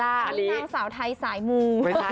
อันนี้นางสาวไทยสายมูนะคะ